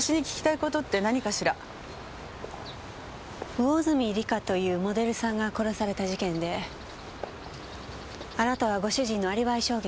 魚住リカというモデルさんが殺された事件であなたはご主人のアリバイ証言をされたそうですね。